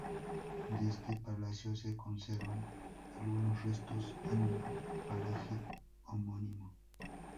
De este palacio se conservan algunos restos en un paraje homónimo.